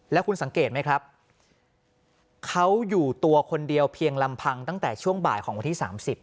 แล้วคุณสังเกตไหมครับเขาอยู่ตัวคนเดียวเพียงลำพังตั้งแต่ช่วงบ่ายของวันที่๓๐